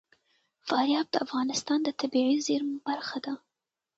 فاریاب د افغانستان د طبیعي زیرمو برخه ده.